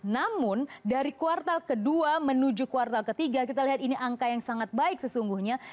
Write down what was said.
namun dari kuartal kedua menuju kuartal ketiga kita lihat ini angka yang sangat baik sesungguhnya